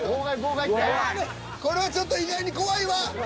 これはちょっと意外に怖いわ。